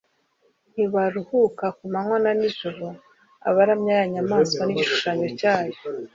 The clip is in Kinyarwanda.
ntibaruhuka kumanywa na nijoro abaramya ya nyamaswa n‟igishushanyo cyayo,